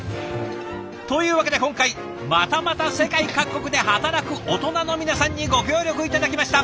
というわけで今回またまた世界各国で働くオトナの皆さんにご協力頂きました。